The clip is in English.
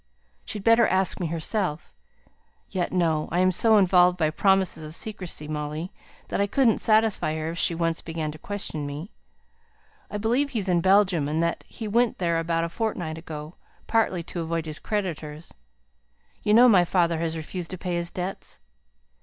"She'd better ask me herself. Yet, no! I am so involved by promises of secrecy, Molly, that I couldn't satisfy her if she once began to question me. I believe he's in Belgium, and that he went there about a fortnight ago, partly to avoid his creditors. You know my father has refused to pay his debts?"